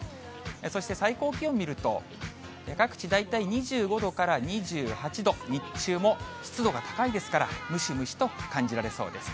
そして最高気温見ると、各地、大体２５度から２８度、日中も湿度が高いですから、ムシムシと感じられそうです。